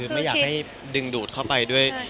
ไม่อยากให้ดึงดูดเข้าไป